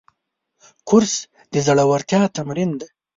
کورس د زړورتیا تمرین دی.